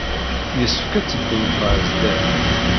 Yessefk ad teddumt ɣer sdat.